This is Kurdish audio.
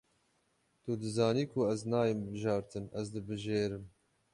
Tu dizanî ku ez nayêm bijartin, ez dibijêrim.